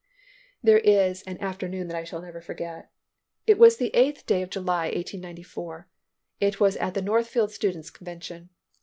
There is an afternoon that I shall never forget. It was the eighth day of July, 1894. It was at the Northfield Students' Convention.